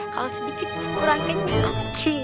kalau sedikit kurang kenyang